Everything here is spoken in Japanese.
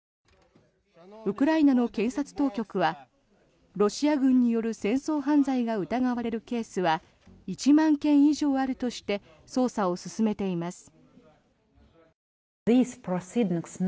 ウクライナの検察当局はロシア軍による戦争犯罪が疑われるケースは１万件以上あるとして捜査を進めています。